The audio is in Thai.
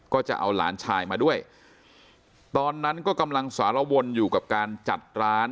ก็จะเอาหลานชายมาด้วยตอนนั้นก็กำลังสารวนอยู่กับการจัดร้าน